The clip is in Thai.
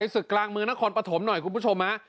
ศึกกลางเมืองนครปฐมหน่อยคุณผู้ชมฮะ